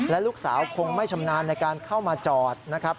และลูกสาวคงไม่ชำนาญในการเข้ามาจอดนะครับ